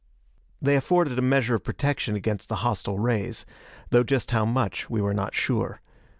They afforded a measure of protection against the hostile rays, though just how much we were not sure.